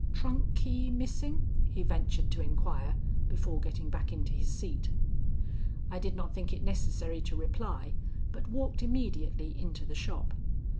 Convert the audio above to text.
"Trunk key missing?" he ventured to inquire before getting back into his seat. I did not think it necessary to reply, but walked immediately into the shop.